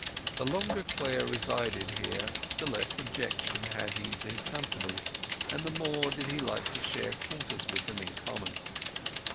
The longer Clare resided here the less objection had he to his company, and the more did he like to share quarters with them in common.